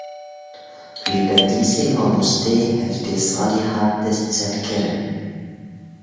Li Bedlîsê mamosteyê heftê salî hat destserkirin.